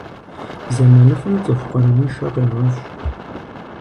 Зэманыфӏым цӏыху къарууншэ къегъэщӏ.